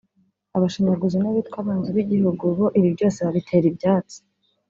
Abashinyaguzi n’abitwa abanzi b’igihugu bo ibi byose babitera ibyatsi